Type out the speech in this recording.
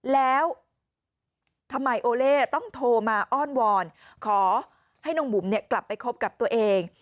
แล้วทำไมโอเล่ต้องโทรมาอ้อนวอนขอให้น้องบุ๋มกลับไปคบกับตัวเอง